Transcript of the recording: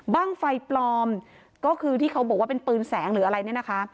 บ้างไฟปลอมก็คือที่เขาบอกว่าเป็นปืนแสงหรืออะไรเนี่ยนะคะ